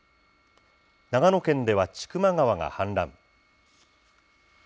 長野県では千曲川が氾濫。